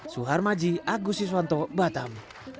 suhar maji agus iswanto batam